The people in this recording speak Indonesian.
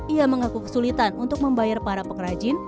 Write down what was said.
ia mengaku kesulitan untuk membayar para pengrajin